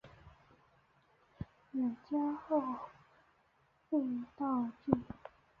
永嘉后废严道县。